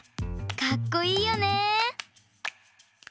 かっこいいよね。